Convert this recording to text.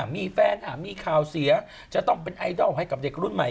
มีแฟนมีข่าวเสียจะต้องเป็นไอดอลให้กับเด็กรุ่นใหม่